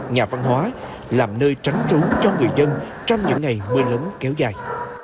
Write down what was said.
nhà văn hóa làm nơi tránh trú cho người dân trong những ngày mưa lớn kéo dài